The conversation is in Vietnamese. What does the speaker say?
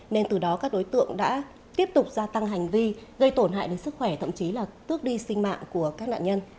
nên từ đó các đối tượng đã tiếp tục gia tăng hành vi gây tổn hại đến sức khỏe thậm chí là tước đi sinh mạng của các nạn nhân